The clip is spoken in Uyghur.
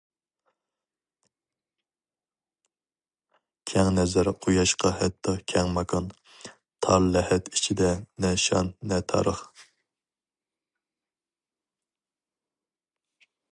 كەڭ نەزەر قۇياشقا ھەتتا كەڭ ماكان، تار لەھەت ئىچىدە، نە شان، نە تارىخ.